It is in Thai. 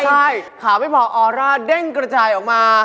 ใช่ขาไม่พอออร่าเด้งกระจายออกมา